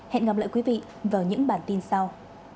hẹn gặp lại các bạn trong những bản tin sau